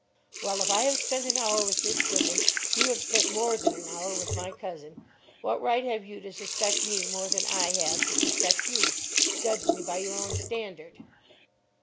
"Well, if I have spent an hour with Miss Goodwin, you have spent more than an hour with my cousin. What right have you to suspect me more than I have to suspect you? Judge me by your own standard."